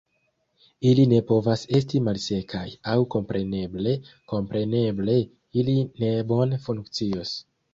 Ili ne povas esti malsekaj, aŭ kompreneble, kompreneble ili ne bone funkcios.